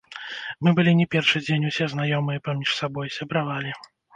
Мы былі не першы дзень усе знаёмыя паміж сабой, сябравалі.